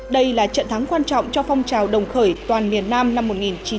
đây là trận thắng quan trọng cho phong trào đồng khởi toàn miền nam năm một nghìn chín trăm bảy mươi năm